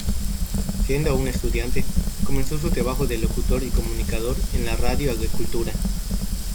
Siendo aún estudiante, comenzó su trabajo de locutor y comunicador en la Radio Agricultura.